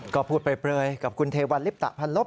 ก็พูดเปลยกับคุณเทวันลิปตะพันลบ